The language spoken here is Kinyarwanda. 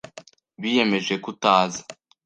Biyemeje kutaza.